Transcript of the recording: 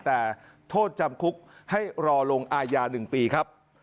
แต่โทษจำคุกให้รอลงอายา๑ปีครับ